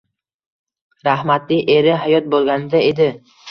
Rahmatli eri hayot boʻlganida edi.